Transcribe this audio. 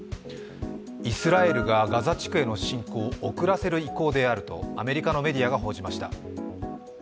イスラエルがガザ地区への侵攻を遅らせる意向であるとアメリカのメディアが報じました。